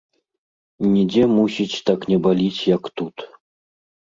Нідзе, мусіць, так не баліць, як тут.